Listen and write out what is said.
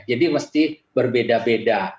jadi mesti berbeda beda